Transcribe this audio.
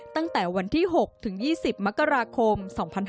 ตั้งแต่วันที่๖ถึง๒๐มกราคม๒๕๕๙